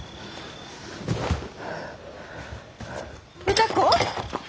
歌子！？